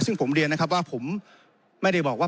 ซึ่งผมเรียนว่าผมไม่ได้บอกว่า